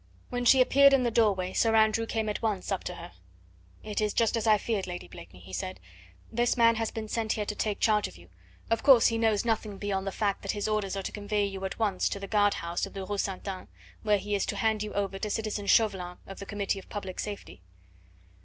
When she appeared in the doorway Sir Andrew came at once up to her. "It is just as I feared, Lady Blakeney," he said; "this man has been sent here to take charge of you. Of course, he knows nothing beyond the fact that his orders are to convey you at once to the guard house of the Rue Ste. Anne, where he is to hand you over to citizen Chauvelin of the Committee of Public Safety."